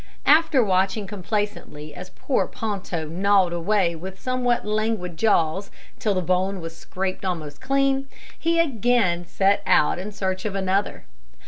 After watching complacently as poor Ponto gnawed away with somewhat languid jaws, till the bone was scraped almost clean, he again set out in search of another.